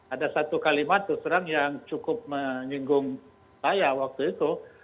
ada satu kalimat terus terang yang cukup menyinggung saya waktu itu